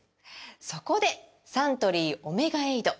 そこでサントリー「オメガエイド」！